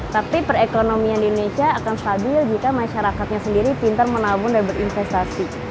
tapi perekonomian di indonesia akan stabil jika masyarakatnya sendiri pintar menabung dan berinvestasi